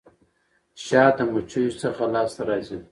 شات د مچيو څخه لاسته راځي.